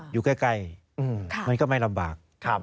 อยู่ใกล้มันก็ไม่ลำบาก